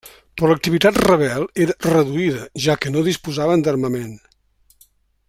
Però l'activitat rebel era reduïda, ja que no disposaven d'armament.